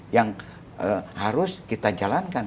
yang harus kita jalankan